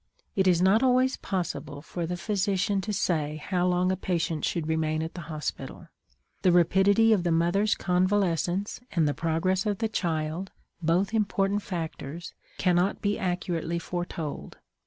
It is not always possible for the physician to say how long a patient should remain at the hospital; the rapidity of the mother's convalescence and the progress of the child, both important factors, cannot be accurately foretold.